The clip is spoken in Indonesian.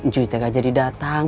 cuy tak jadi datang